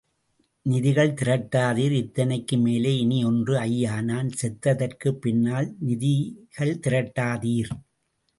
நிதிகள் திரட்டாதீர் இத்தனைக்கும் மேலே இனி ஒன்று ஐயா, நான் செத்ததற்குப் பின்னால் நிதிகள் திரட்டாதீர்!